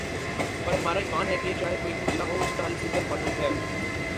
اور ہمارا ایمان ہے کہ چاہے کوئی بھی مسئلہ ہو اسکا حل ادھر موجود ہے